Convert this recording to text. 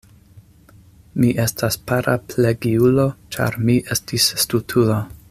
Mi estas paraplegiulo, ĉar mi estis stultulo.